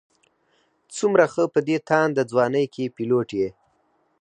څومره ښه په دې تانده ځوانۍ کې پيلوټ یې.